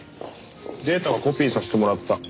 データはコピーさせてもらった。